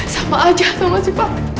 sama aja sama si papa